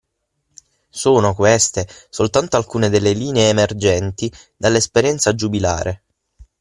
Sono, queste, soltanto alcune delle linee emergenti dall'esperienza giubilare.